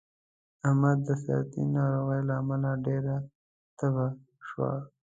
احمد د سرطان ناروغۍ له امله ډېر بته شو